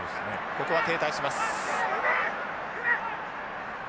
ここは停滞します。